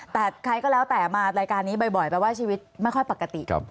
แต่ใครก็แล้วแต่มารายการนี้บ่อยแปลว่าชีวิตไม่ค่อยปกติ